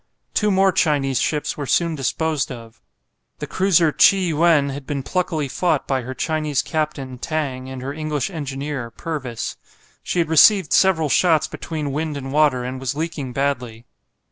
Two more Chinese ships were soon disposed of. The cruiser "Chi yuen" had been pluckily fought by her Chinese captain, Tang, and her English engineer, Purvis. She had received several shots between wind and water, and was leaking badly.